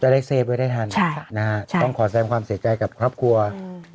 ได้เฟฟไว้ได้ทันค่ะนะฮะใช่ต้องขอแซมความเสียใจกับครอบครัวอืม